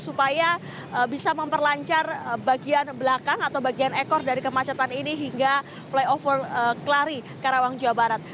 supaya bisa memperlancar bagian belakang atau bagian ekor dari kemacetan ini hingga flyover kelari karawang jawa barat